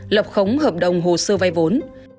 lập khống hợp đồng hồ sơ vai vốn